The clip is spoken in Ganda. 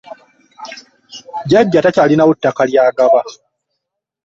Jjajja takyalinawo ttaka ly'agaba.